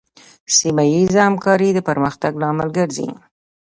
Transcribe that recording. سیمه ایزه همکارۍ د پرمختګ لامل ګرځي.